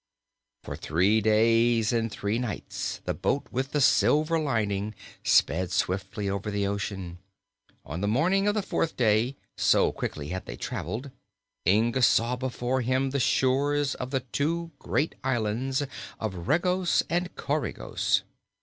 For three days and three nights the boat with the silver lining sped swiftly over the ocean. On the morning of the fourth day, so quickly had they traveled, Inga saw before him the shores of the two great islands of Regos and Coregos.